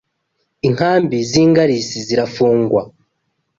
Inkambi z’ingarisi zirafungwa